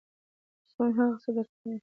ژوند هغه څه درکوي، چي ستاسو په فکر کي وي.